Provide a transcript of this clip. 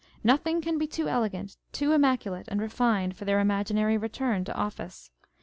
Nothing can be too elegant, too immaculate and refined for their imaginary return to office.